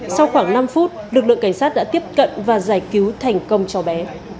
sau khoảng năm phút lực lượng cảnh sát đã tiếp cận và giải cứu thành công cháu bé